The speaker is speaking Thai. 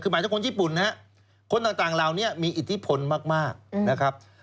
คือหมายถึงคนญี่ปุ่นนะครับคนต่างเหล่านี้มีอิทธิพลมากนะครับ